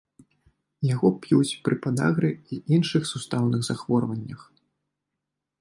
Яго п'юць пры падагры і іншых сустаўных захворваннях.